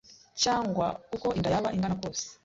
cyangwa uko inda yaba ingana kose.